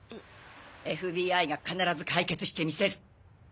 ＦＢＩが必ず解決してみせる。